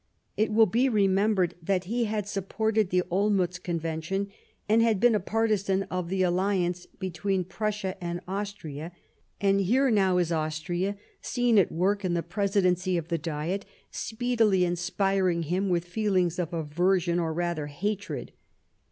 It will be remembered that he had supported the Olmiitz Convention and had been a partisan of the Alliance between Prussia and Austria ; and here now is Austria, seen at work in the Presidency of the Diet, speedily inspiring him with feelings of aversion, or rather hatred.